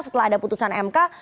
setelah ada putusan mk